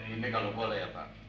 ini kalau boleh pak